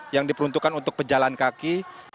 yang diperuntukkan untuk pejalan kaki